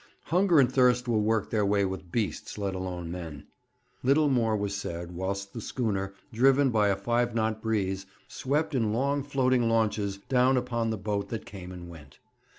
'Hunger and thirst will work their way with beasts, let alone men.' Little more was said whilst the schooner, driven by a five knot breeze, swept in long floating launches down upon the boat that came and went.